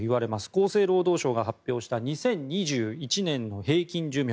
厚生労働省が発表した２０２１年の平均寿命